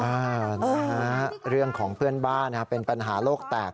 นะฮะเรื่องของเพื่อนบ้านเป็นปัญหาโลกแตก